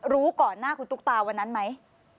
รู้ก่อนหน้าคุณตุ๊กตาวันนั้นไหม